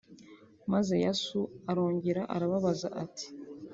Maze Yasu arongera arababaza ati